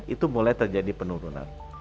itu mulai terjadi penurunan